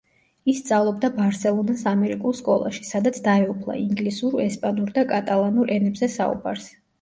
ის სწავლობდა ბარსელონას ამერიკულ სკოლაში, სადაც დაეუფლა ინგლისურ, ესპანურ და კატალანურ ენებზე საუბარს.